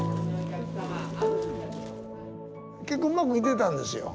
結構うまくいってたんですよ。